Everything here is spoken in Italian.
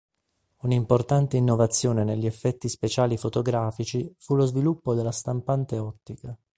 Un'importante innovazione negli effetti speciali fotografici fu lo sviluppo della stampante ottica.